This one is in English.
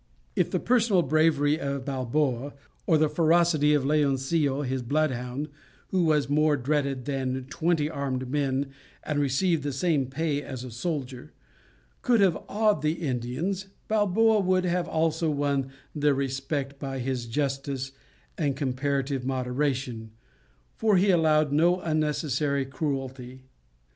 If the personal bravery of Balboa, or the ferocity of Leoncillo his blood hound who was more dreaded than twenty armed men and received the same pay as a soldier, could have awed the Indians, Balboa would have also won their respect by his justice and comparative moderation, for he allowed no unnecessary cruelty.